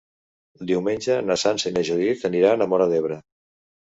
Diumenge na Sança i na Judit aniran a Móra d'Ebre.